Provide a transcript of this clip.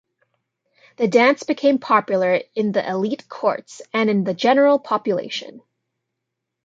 The dance became popular both in the elite courts and in the general population.